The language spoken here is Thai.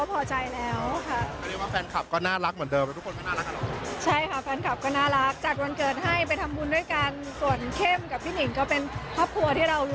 เข้มไม่ได้ให้อะไรสุขายกว่าเข้มไม่ได้ให้อะไรมากินข้าวจัดวันเกิดด้วยกันเราก็พอใจแล้ว